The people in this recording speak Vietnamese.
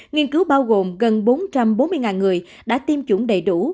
nghiên cứu bao gồm gần bốn trăm bốn mươi người đã tiêm chủng đầy đủ